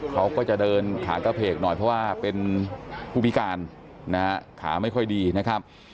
เขาก็จะเดินขากระเพกหน่อยเพราะว่าเป็นผู้พิการนะฮะขาไม่ค่อยดีนะครับ